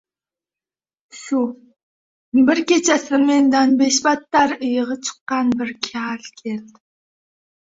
— Shu, bir kechasi mendan beshbattar iyig‘i chiqqan bir kal keldi.